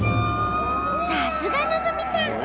さすが希さん！